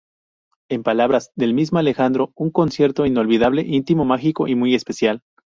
En palabras del mismo Alejandro: "Un concierto inolvidable, íntimo, mágico y muy especial".